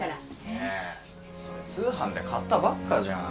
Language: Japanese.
ねえそれ通販で買ったばっかじゃん。